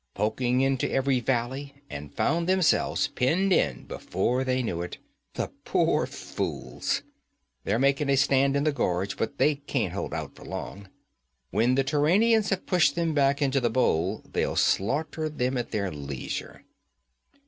Poking into every valley and found themselves penned in before they knew it. The poor fools! They're making a stand in the gorge, but they can't hold out for long. When the Turanians have pushed them back into the bowl, they'll slaughter them at their leisure.'